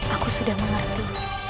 aku sudah mengerti